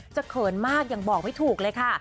เขินมากยังบอกไม่ถูกเลยค่ะ